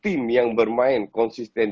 tim yang bermain konsisten